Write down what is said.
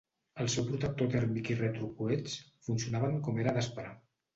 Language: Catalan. El seu protector tèrmic i retrocoets funcionaven com era d'esperar.